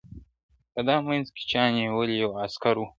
په دا منځ کي چا نیولی یو عسکر وو ,